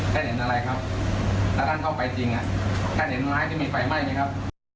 ท่านเห็นอะไรครับแล้วท่านเข้าไปจริงท่านเห็นไม้ที่มีไฟไหม้ไหมครับ